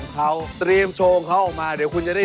สุดครีดแล้วเดินหน้าด้วย